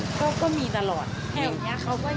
ก็มีตลอดแห่งอย่างนี้เขาก็ยิงกันตลอดนะ